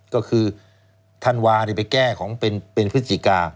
ก็คือธันวาไปแก้ของเป็นพฤศจิกา